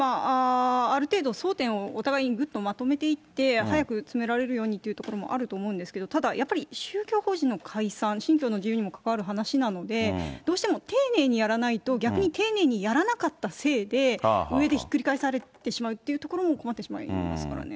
ある程度、争点をお互いにぐっとまとめていって、早く詰められるようにというところもあると思うんですけど、ただやっぱり、宗教法人の解散、信教の自由にもかかわる話なので、どうしても丁寧にやらないと、逆に丁寧にやらなかったせいで、上でひっくり返されてしまうということも困ってしまいますからね。